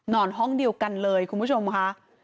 นอนห้องเดียวกันเลยคุณผู้ชมค่ะ